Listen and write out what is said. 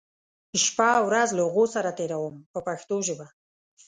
شپه او ورځ له هغو سره تېروم په پښتو ژبه.